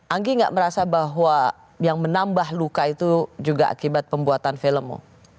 anggi nggak merasa bahwa yang menambah luka itu juga akibat pembuatan film